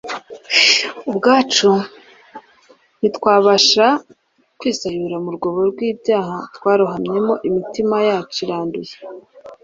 Ubgacu ntitwabasha kwisayura mu rwobo rwibyaha twarohamyemo Imitima yaciranduye